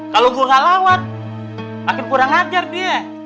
kalau gue nggak lawan makin kurang ajar dia